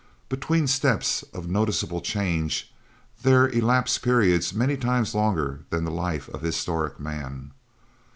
Between steps of noticeable change there elapse periods many times longer than the life of historic man.